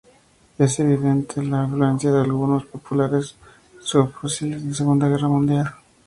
Es evidente la influencia de algunos populares subfusiles de la Segunda Guerra Mundial.